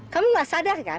kamu nggak sadar kan